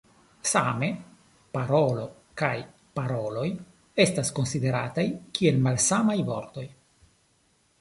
Same "parolo" kaj "paroloj" estas konsiderataj kiel malsamaj vortoj.